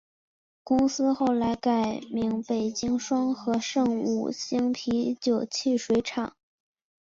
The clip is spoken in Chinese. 公司后来改名北京双合盛五星啤酒汽水厂。